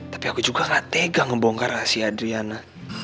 tapi aku juga gak tega ngebongkar rahasia adriana